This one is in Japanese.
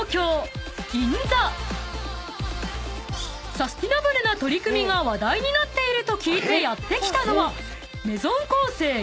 ［サスティナブルな取り組みが話題になっていると聞いてやって来たのは］